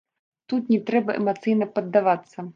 Тут не трэба эмацыйна паддавацца.